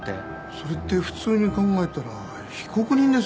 それって普通に考えたら被告人ですよね？